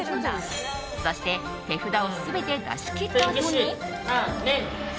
そして手札を全て出し切ったあとに。